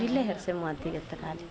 di leher semua tiga kali di leher